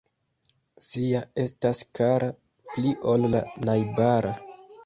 Sia estas kara pli ol la najbara.